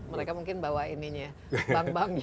mereka mungkin bawa ininya bank banknya